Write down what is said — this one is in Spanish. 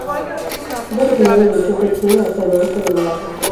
Es originario del sur de China hasta el oeste de Malasia.